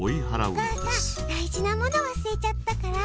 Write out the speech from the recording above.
お母さん大事なもの忘れちゃったから。